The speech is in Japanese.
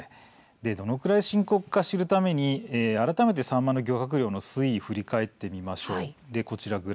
どのくらい深刻かを知るために改めてサンマの漁獲量の推移を振り返ってみましょう。